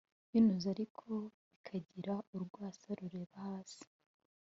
binuze, a ri ko b i ka g i ra urwasa rureba hasi.